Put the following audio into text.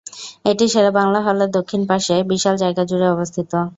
এটি শেরে বাংলা হলের দক্ষিণে পাশে বিশাল জায়গা জুড়ে অবস্থিত।